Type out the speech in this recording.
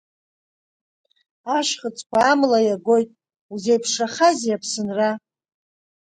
Ашьхыцқәа амла иагоит, узеиԥшрахазеи Аԥсынра!